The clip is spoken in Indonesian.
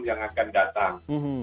yang akan datang